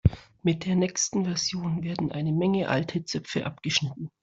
Mit der nächsten Version werden eine Menge alte Zöpfe abgeschnitten.